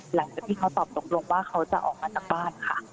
หลังจากที่เขาตอบตกลงว่าเขาจะออกมาจากบ้านค่ะ